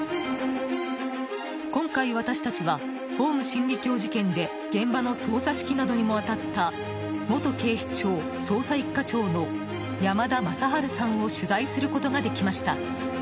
今回、私たちはオウム真理教事件で現場の捜査指揮などにも当たった元警視庁捜査１課長の山田正治さんを取材することができました。